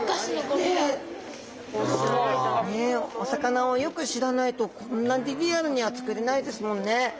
お魚をよく知らないとこんなにリアルには作れないですもんね。